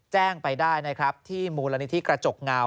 แจ้งไปได้ที่มูลนิธิกระจกเงา